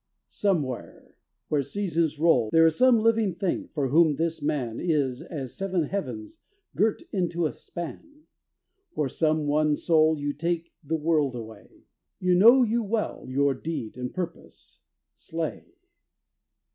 somewhere where seasons roll There is some living thing for whom this man Is as seven heavens girt into a span, For some one soul you take the world away Now know you well your deed and purpose. Slay!'